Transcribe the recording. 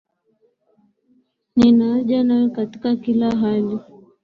Nina haja nawe katika kila hali.